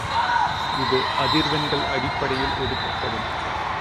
இது அதிர்வெண்கள் அடிப்படையில் ஒதுக்கப்படும்.